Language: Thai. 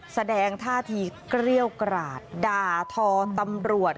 แสดงท่าทีเกรี้ยวกราดด่าทอตำรวจ